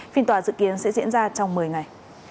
phiên tòa dự kiến sẽ diễn ra trong một mươi ngày